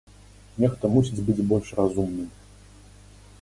Нехта мусіць быць больш разумным.